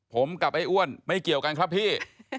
ผมกับไอ้อ้วนไม่เกี่ยวกันครับพี่